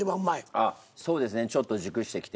あっそうですねちょっと熟してきて。